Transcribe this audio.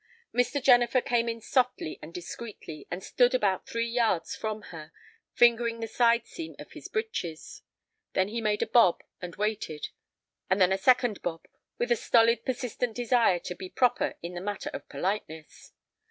Mr. Jennifer came in softly and discreetly, and stood about three yards from her, fingering the side seam of his breeches. Then he made a bob and waited, and then a second bob, with a stolid, persistent desire to be proper in the matter of politeness.